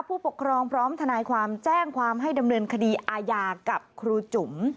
ผู้ปกครองพร้อมทนายความแจ้งความให้ดำเนินคดีอาญากับครูจุ๋ม